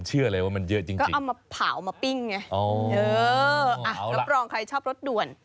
เออแล้วประวัติใครชอบรถด่วน